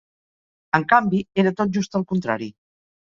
En canvi, era tot just el contrari.